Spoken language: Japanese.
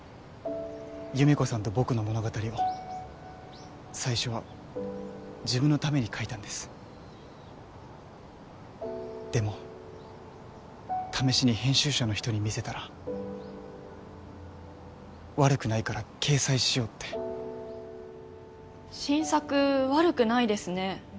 優芽子さんと僕の物語を最初は自分のために描いたんですでも試しに編集者の人に見せたら悪くないから掲載しようって新作悪くないですね